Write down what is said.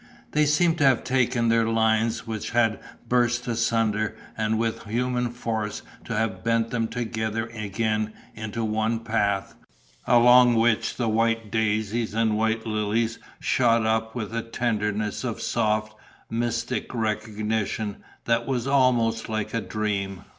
They seemed to have taken their lines which had burst asunder and with human force to have bent them together again into one path, along which the white daisies and white lilies shot up with a tenderness of soft, mystic recognition that was almost like a dream.